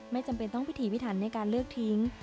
จำเป็นต้องพิถีพิถันในการเลือกทิ้ง